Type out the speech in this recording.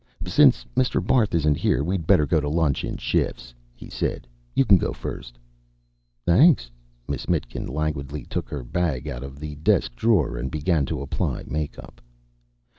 "Since Mr. Barth isn't here, we'd better go to lunch in shifts," he said. "You can go first." "Thanks." Miss Mitkin languidly took her bag out of the desk drawer and began to apply makeup.